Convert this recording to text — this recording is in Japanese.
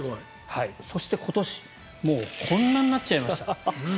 そして、今年もうこんなになっちゃいました。